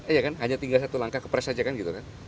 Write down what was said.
iya kan hanya tinggal satu langkah kepres saja kan gitu kan